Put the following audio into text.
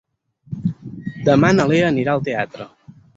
Demà na Lea anirà al teatre.